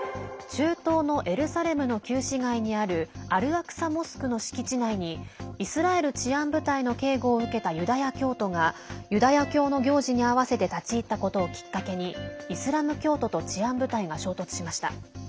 中東のエルサレムの旧市街にあるアルアクサモスクの敷地内にイスラエル治安部隊の警護を受けたユダヤ教徒がユダヤ教の行事に合わせて立ち入ったことをきっかけにイスラム教徒と治安部隊が衝突しました。